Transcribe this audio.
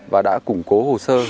và đã củng cố hồ sơ